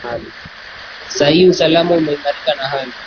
saa hii usalama umeimarika na hali